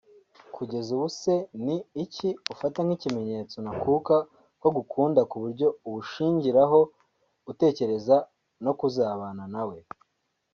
Kugeza ubu se ni iki ufata nk’ikimenyetso ntakuka ko agukunda kuburyo ubushingiraho utekereza no kuzabana nawe